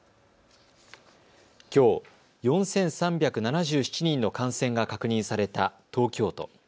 きょう、４３７７人の感染が確認された東京都。